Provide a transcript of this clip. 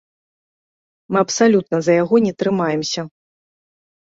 Мы абсалютна за яго не трымаемся.